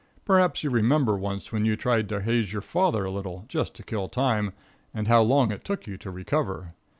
Perhaps you remember once when you tried to haze your father a little, just to kill time, and how long it took you to recover.